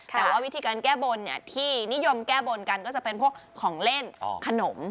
แต่ว่าวิธีการแก้บนที่นิยมแก้บนกันก็จะเป็นพวกของเล่นขนม